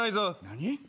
何？